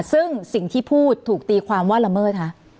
ซึ่งสิ่งที่พูดถูกตีความว่าละเมิดคะ